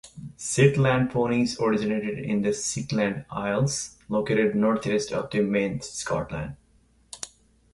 Shetland ponies originated in the Shetland Isles, located northeast of mainland Scotland.